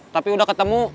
tapi udah ketemu